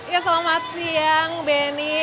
ya selamat siang benny